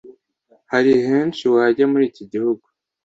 Hari henshi wajya muri iki gihugu